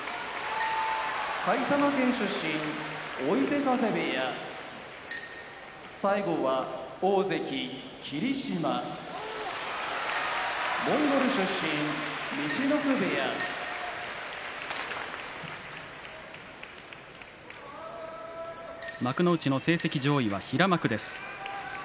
埼玉県出身追手風部屋大関・霧島モンゴル出身陸奥部屋幕内の成績上位は平幕です。